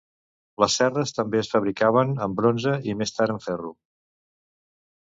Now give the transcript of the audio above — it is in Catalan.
Les serres també es fabricaven amb bronze i més tard amb ferro.